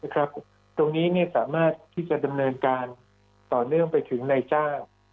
ตรงนี้สามารถที่จะดำเนินการต่อเนื่องไปถึงนายจ้าง